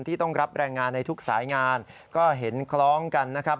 ต้องรับแรงงานในทุกสายงานก็เห็นคล้องกันนะครับ